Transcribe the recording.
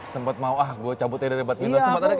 sempet mau ah gue cabut aja dari badminton